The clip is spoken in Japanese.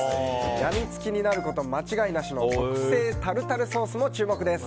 病み付きになること間違いなしの特製タルタルソースも注目です。